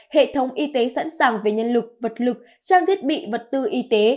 hệ thống y tế sẵn sàng về nhân lực vật lực trang thiết bị vật tư y tế